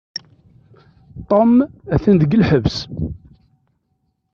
Tom atan deg lḥebs.